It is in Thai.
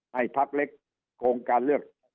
ให้พักเล็กโครงการเลือก